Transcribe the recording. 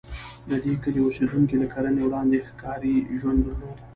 د دې کلي اوسېدونکي له کرنې وړاندې ښکاري ژوند درلود.